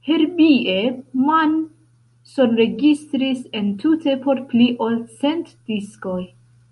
Herbie Mann sonregistris entute por pli ol cent diskoj.